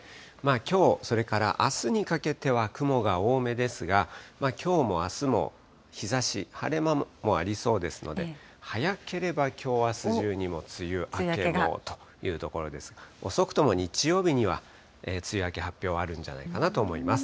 きょう、それからあすにかけては雲が多めですが、きょうもあすも、日ざし、晴れ間もありそうですので、早ければきょうあす中にも、梅雨明けというところですが、遅くとも日曜日には、梅雨明け発表あるんじゃないかなと思います。